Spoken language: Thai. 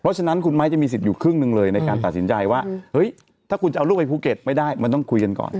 เพราะฉะนั้นคุณไม้จะมีสิทธิ์อยู่ครึ่งหนึ่งเลยในการตัดสินใจว่าเฮ้ยถ้าคุณจะเอาลูกไปภูเก็ตไม่ได้มันต้องคุยกันก่อน